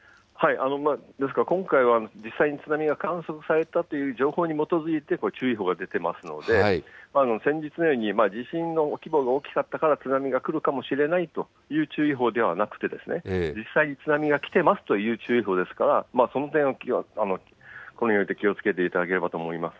ですから、今回は実際に津波が観測されたという情報に基づいて、注意報が出ていますので、先日のように、地震の規模が大きかったから津波が来るかもしれないという注意報ではなくて、実際に津波が来てますという注意報ですから、その点は気をつけていただければと思います。